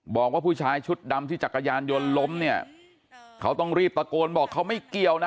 บอกว่าผู้ชายชุดดำที่จักรยานยนต์ล้มเนี่ยเขาต้องรีบตะโกนบอกเขาไม่เกี่ยวนะ